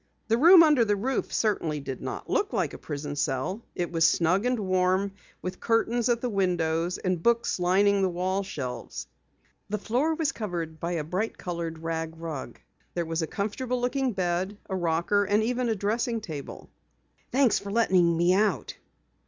The room under the roof certainly did not look like a prison cell. It was snug and warm, with curtains at the windows and books lining the wall shelves. The floor was covered with a bright colored rag rug. There was a comfortable looking bed, a rocker and even a dressing table. "Thanks for letting me out."